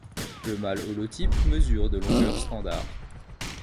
Le mâle holotype mesure de longueur standard.